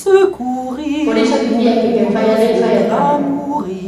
Por iso dicía que quen fai a lei fai a trampa.